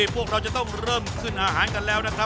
พวกเราจะต้องเริ่มขึ้นอาหารกันแล้วนะครับ